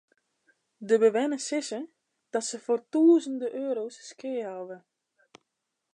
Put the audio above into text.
De bewenners sizze dat se foar tûzenen euro's skea hawwe.